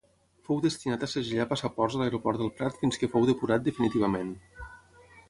Fou destinat a segellar passaports a l'aeroport del Prat fins que fou depurat definitivament.